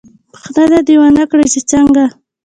_ پوښتنه دې ونه کړه چې څنګه؟